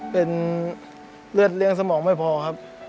เป็นเลือดเลี้ยงสมองไม่พอครับ